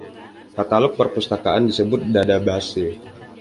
Katalog perpustakaan disebut "Dadabase".